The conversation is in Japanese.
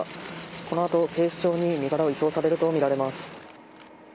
このあと、警視庁に身柄を移送されるとみられます。